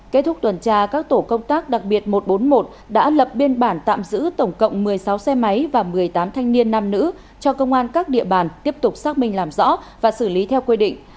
kết thúc tuần tra các tổ công tác đặc biệt một trăm bốn mươi một đã lập biên bản tạm giữ tổng cộng một mươi sáu xe máy và một mươi tám thanh niên nam nữ cho công an các địa bàn tiếp tục xác minh làm rõ và xử lý theo quy định